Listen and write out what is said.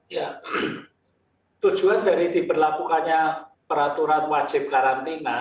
ya tujuan dari diberlakukannya peraturan wajib karantina